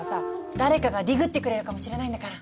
誰かがディグってくれるかもしれないんだから。